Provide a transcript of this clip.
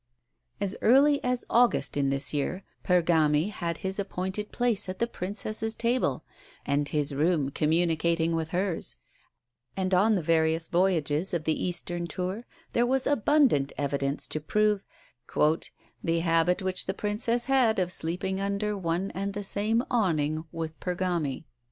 As early as August in this year Pergami had his appointed place at the Princess's table, and his room communicating with hers, and on the various voyages of the Eastern tour there was abundant evidence to prove "the habit which the Princess had of sleeping under one and the same awning with Pergami."